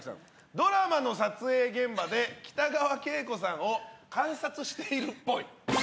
ドラマの撮影現場で北川景子さんを観察してるっぽい。